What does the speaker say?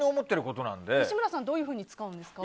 吉村さんどういうふうに使うんですか。